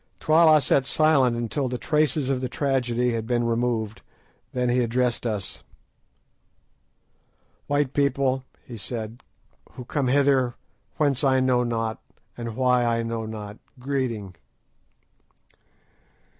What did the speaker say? Twala sat silent until the traces of the tragedy had been removed, then he addressed us. "White people," he said, "who come hither, whence I know not, and why I know not, greeting."